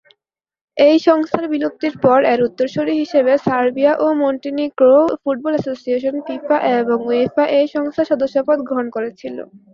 এই সংস্থার বিলুপ্তির পর এর উত্তরসূরি হিসেবে সার্বিয়া ও মন্টিনিগ্রো ফুটবল অ্যাসোসিয়েশন ফিফা এবং উয়েফা-এ এই সংস্থার সদস্যপদ গ্রহণ করেছিল।